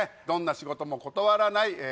どんな仕事も断らない